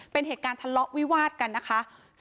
เป็นเหตุการณ์ทะเลาะวิวาดกันนะคะ